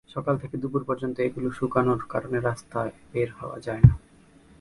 সকাল থেকে দুপুর পর্যন্ত এগুলো শুকানোর কারণে রাস্তায় বের হওয়া যায় না।